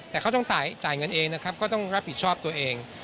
แต่เขาต้องจ่ายเงินเองนะครับก็ต้องรับผิดชอบตัวเอง